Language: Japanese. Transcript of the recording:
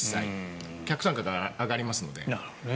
客単価が上がりますので。